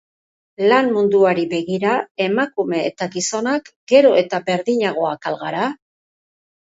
Lan munduari begira, emakume eta gizonak, gero eta berdinagoak al gara?